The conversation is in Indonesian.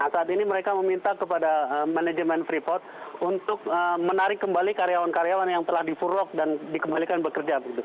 saat ini mereka meminta kepada manajemen freeport untuk menarik kembali karyawan karyawan yang telah di furlock dan dikembalikan bekerja